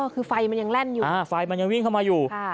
คือไฟมันยังแล่นอยู่ไฟมันยังวิ่งเข้ามาอยู่